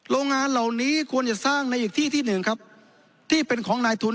โรงงานเหล่านี้ควรจะสร้างในอีกที่ที่หนึ่งครับที่เป็นของนายทุน